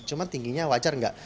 cuma tingginya wajar nggak